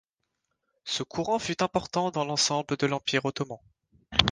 Ce courant fut important dans l'ensemble de l'Empire ottoman.